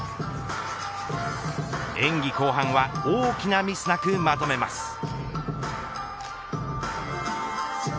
演技後半は大きなミスなくまとめます。